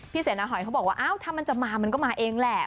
พี่เสนอหอยก็บอกว่าถ้ามันจะมามันก็มาเองแหล่ะ